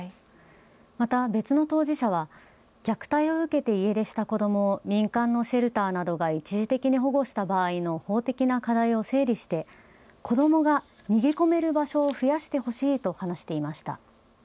また別の当事者は虐待を受けて家出した子どもを民間のシェルターなどが一時的に保護した場合の法的な課題を整理して子どもが逃げ込める場所を増やしてほしいと話していました。